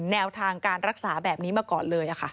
แนวทางการรักษาแบบนี้มาก่อนเลย